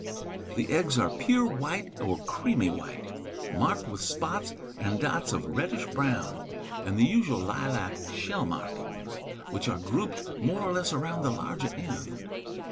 The eggs are pure white or creamy white, marked with spots and dots of reddish brown and the usual lilac shell markings, which are grouped more or less around the larger end.